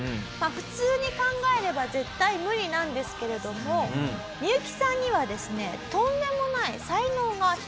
普通に考えれば絶対無理なんですけれどもミユキさんにはですね